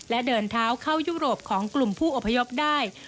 และเดินเท้าเข้ายุโรปของกลุ่มผู้อพยพได้